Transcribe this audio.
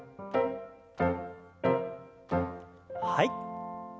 はい。